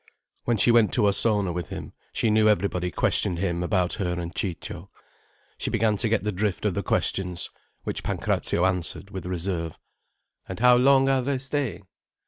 When she went to Ossona with him, she knew everybody questioned him about her and Ciccio. She began to get the drift of the questions—which Pancrazio answered with reserve. "And how long are they staying?"